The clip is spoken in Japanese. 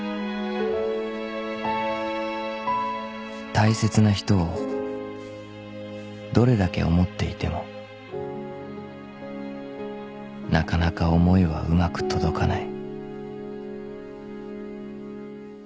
［大切な人をどれだけ思っていてもなかなか思いはうまく届かない］